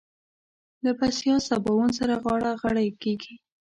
له بسيا سباوون سره غاړه غړۍ کېږي.